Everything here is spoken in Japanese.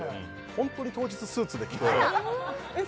本当に当日スーツで来てえっ